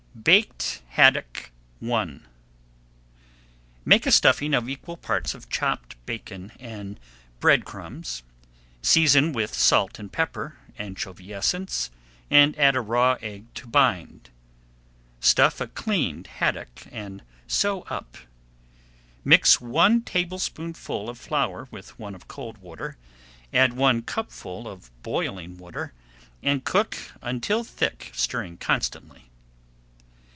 BAKED HADDOCK I Make a stuffing of equal parts of chopped bacon and bread crumbs, season with salt and pepper, anchovy essence, and add a raw egg to bind. Stuff a cleaned haddock and sew up. Mix one tablespoonful of flour with one of cold water, add one cupful of boiling water, and cook until thick, stirring constantly.